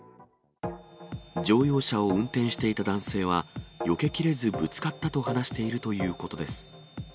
乗用車を運転していた男性は、よけきれずぶつかったと話しているということです。